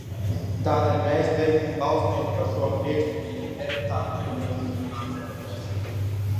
Tādēļ mēs veiksim balsojumu par šo priekšlikumu, ja deputāti nevēlas runāt debatēs.